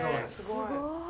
すごい。